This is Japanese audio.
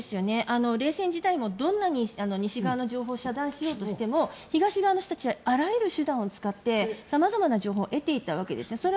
冷戦時代もどんなに西側の情報を遮断しようとしても東側の人たちはあらゆる手段を使って様々な情報を得ていたわけですよね。